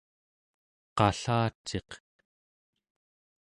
qallaciq